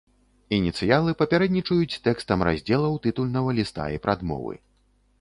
Ініцыялы папярэднічаюць тэкстам раздзелаў, тытульнага ліста і прадмовы.